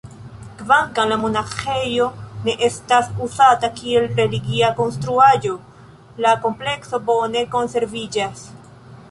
Kvankam la monaĥejo ne estas uzata kiel religia konstruaĵo, la komplekso bone konserviĝas.